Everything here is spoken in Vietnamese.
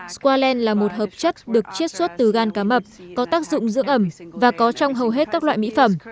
squalene là một hợp chất được chiết xuất từ gan cá mập có tác dụng dưỡng ẩm và có trong hầu hết các loại mỹ phẩm